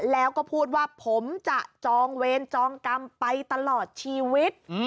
แล้วก็พูดว่าผมจะจองเวรจองกรรมไปตลอดชีวิต